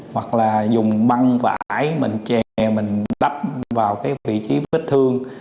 hoặc là dùng băng vải mình chè mình đắp vào cái vị trí bếp thương